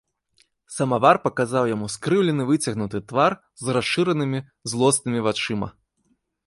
Самавар паказаў яму скрыўлены выцягнуты твар з расшыранымі злоснымі вачыма.